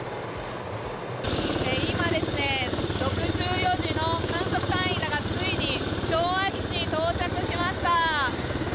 今、６４次の観測隊員らがついに昭和基地に到着しました。